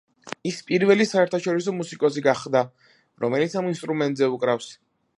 ის პირველი საერთაშორისო მუსიკოსი გახდა, რომელიც ამ ინსტრუმენტზე უკრავს.